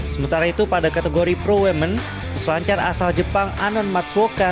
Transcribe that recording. sementara itu pada kategori pro women peselancar asal jepang anon matsuoka